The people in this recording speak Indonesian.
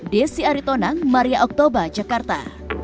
desi aritonang maria oktober jakarta